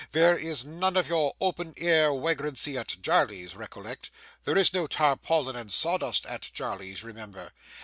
There is none of your open air wagrancy at Jarley's, recollect; there is no tarpaulin and sawdust at Jarley's, remember.